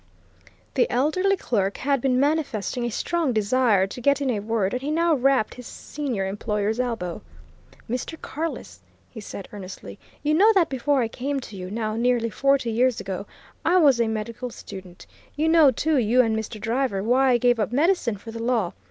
The elderly clerk had been manifesting a strong desire to get in a word, and he now rapped his senior employer's elbow. "Mr. Carless," he said earnestly, "you know that before I came to you, now nearly forty years ago, I was a medical student: you know, too, you and Mr. Driver, why I gave up medicine for the law.